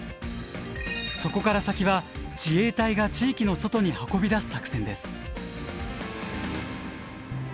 そこから先は自衛隊が地域の外に運び出す作戦です。